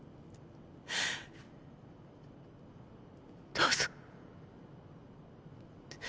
どうぞ。